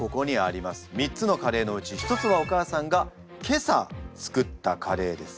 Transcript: ３つのカレーのうち１つはお母さんが今朝作ったカレーです。